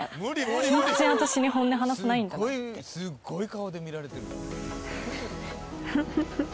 全然私に本音話さないんだなって